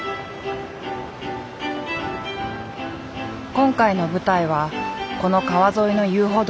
今回の舞台はこの川沿いの遊歩道。